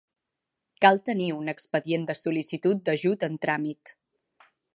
Cal tenir un expedient de sol·licitud d'ajut en tràmit.